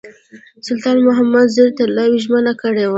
سلطان محمود زر طلاوو ژمنه کړې وه.